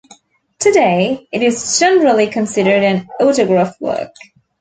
Today it is generally considered an autograph work.